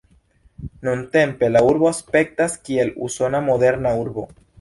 Nuntempe la urbo aspektas, kiel usona moderna urbo.